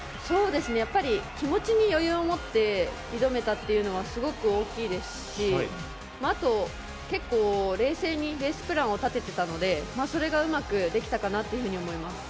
やっぱり気持ちに余裕をもって挑めたというのはすごく大きいですしあと、結構冷静にレースプランを立てていたのでそれがうまくできたかなというふうに思います。